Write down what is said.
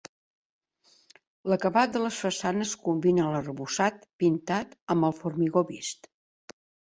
L'acabat de les façanes combina l'arrebossat pintat amb el formigó vist.